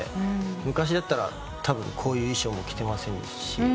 昔だったらたぶんこういう衣装も着てませんし。